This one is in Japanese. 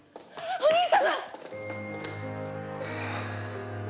お兄様。